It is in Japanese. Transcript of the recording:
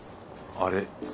あれ？